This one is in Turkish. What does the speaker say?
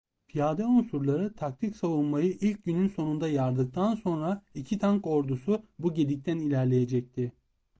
Piyade unsurları taktik savunmayı ilk günün sonunda yardıktan sonra iki tank ordusu bu gedikten ilerleyecekti.